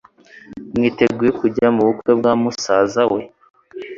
mwiteguye kujya mubukwe bwa musaza we?